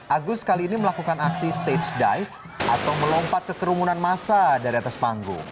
agus kali ini melakukan aksi stage dive atau melompat ke kerumunan masa dari atas panggung